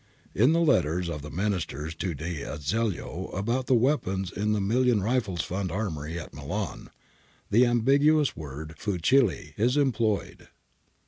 In the letters of the Ministers to D'Azeglio about the weapons in the Million Rifles Fund armoury at Milan, the ambiguous word /««'//' {ox fusils) is employed {Luzio Corr.